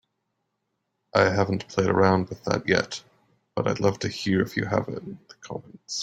I haven't played around with that yet, but I'd love to hear if you have in the comments.